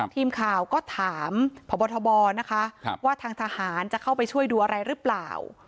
ทีมข่าวก็ถามพบทบนะคะว่าทางทหารจะเข้าไปช่วยดูอะไรหรือเปล่า